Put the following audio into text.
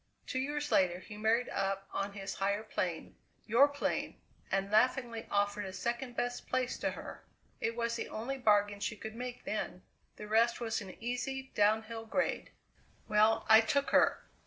Two years later he married up on his higher plane your plane and laughingly offered a second best place to her. It was the only bargain she could make then! The rest was an easy downhill grade. "Well, I took her.